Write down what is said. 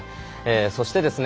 そしてですね